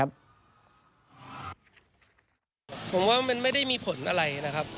ผมว่ามันไม่ได้มีผลอะไรนะครับ